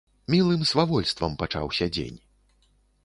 Мілым свавольствам пачаўся дзень.